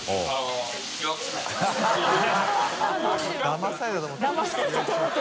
「騙されたと思って」